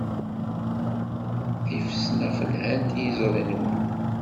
Tifesnax lhant i yiẓri-nwen.